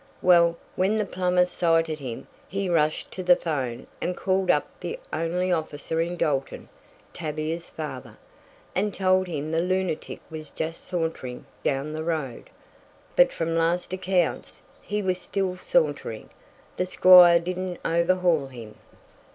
Well, when the plumber sighted him he rushed to the 'phone and called up the only officer in Dalton Tavia's father, and told him the lunatic was just sauntering down the road. But from last accounts he was still sauntering the squire didn't overhaul him."